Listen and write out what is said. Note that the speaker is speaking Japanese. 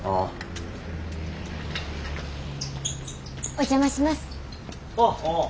お邪魔します！